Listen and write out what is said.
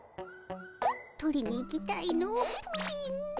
取りに行きたいのプリン。